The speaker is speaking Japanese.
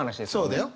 そうだよ。